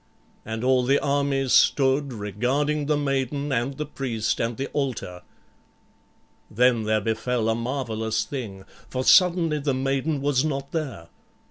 And all the army stood regarding the maiden and the priest and the altar. Then there befell a marvelous thing. For suddenly the maiden was not there.